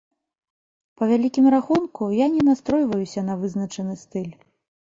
Па вялікім рахунку, я не настройваюся на вызначаны стыль.